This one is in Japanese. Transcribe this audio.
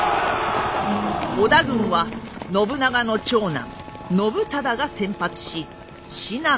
織田軍は信長の長男信忠が先発し信濃から。